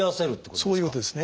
そういうことですね。